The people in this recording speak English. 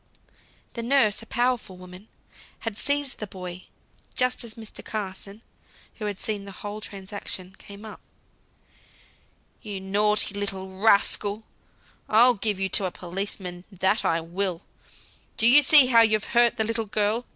The nurse, a powerful woman, had seized the boy, just as Mr. Carson (who had seen the whole transaction) came up. "You naughty little rascal! I'll give you to a policeman, that I will! Do you see how you've hurt the little girl?